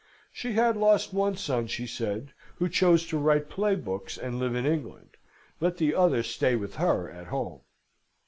She had lost one son, she said, who chose to write play books, and live in England let the other stay with her at home.